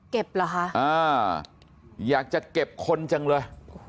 เหรอคะอ่าอยากจะเก็บคนจังเลย